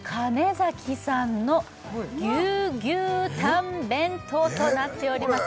ざきさんのぎゅうぎゅうたん弁当となっております